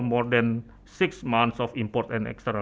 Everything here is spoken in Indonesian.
penghantaran uang dan uang ekstra